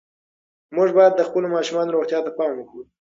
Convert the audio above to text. موږ باید د خپلو ماشومانو روغتیا ته پام وکړو.